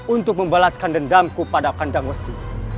untuk membalaskan dendamku pada kandang besi